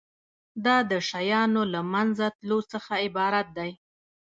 دا د شیانو له منځه تلو څخه عبارت دی.